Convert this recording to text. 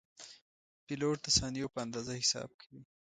پیلوټ د ثانیو په اندازه حساب کوي.